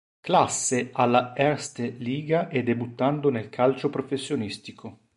Klasse alla Erste Liga e debuttando nel calcio professionistico.